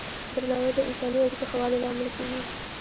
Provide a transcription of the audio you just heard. درناوی د انساني اړیکو ښه والي لامل کېږي.